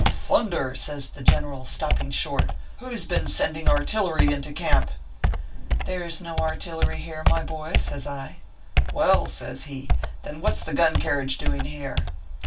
" Thunder !" says the general, stopping short ;" who s been sending artillery into camp ?"" There s no artillery here, my boy," says I. " Well," says he, " then what s the gun carriage doing here